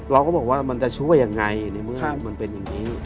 เราก็บอกว่ามันจะช่วยยังไงในเมื่อมันเป็นอย่างนี้